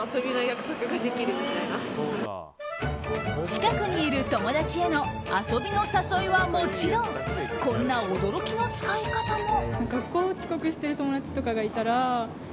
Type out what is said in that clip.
近くにいる友達への遊びの誘いはもちろんこんな驚きの使い方も。